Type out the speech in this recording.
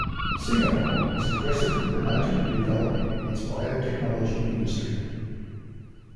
Singapore is aggressively promoting and developing its biotechnology industry.